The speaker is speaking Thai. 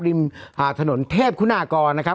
ริมถนนเทพคุณากรนะครับ